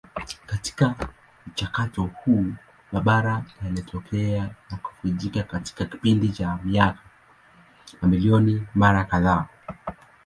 Katika mchakato huo mabara yalitokea na kuvunjika katika kipindi cha miaka mamilioni mara kadhaa.